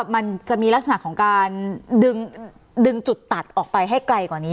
มันจะมีลักษณะของการดึงจุดตัดออกไปให้ไกลกว่านี้